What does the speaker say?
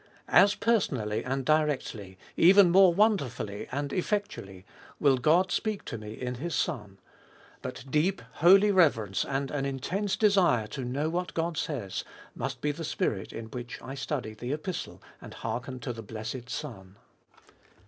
As personally and directly, even more wonderfully and effectually, will God speak to me in His Son ; but deep, holy reverence, and an intense desire to know what God says, must be the spirit in which I study the Epistle and hearken to the blessed Son.